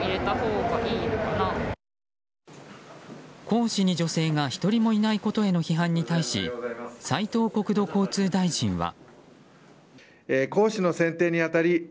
講師に女性が１人もいないことへの批判に対し斉藤国土交通大臣は。